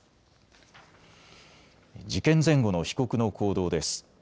事件前後の被告の行動です。